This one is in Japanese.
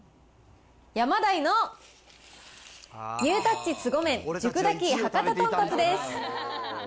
ヤマダイのニュータッチ凄麺熟炊き博多とんこつです。